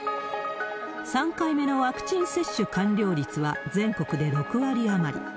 ３回目のワクチン接種完了率は全国で６割余り。